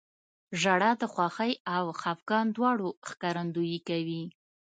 • ژړا د خوښۍ او خفګان دواړو ښکارندویي کوي.